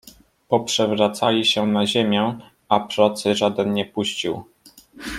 Poprzewracali się na ziemię, a procy żaden nie puścił.